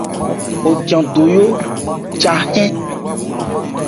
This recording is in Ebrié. O than do wo jâ yɛn.